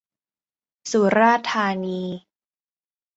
สุราษฏร์ธานี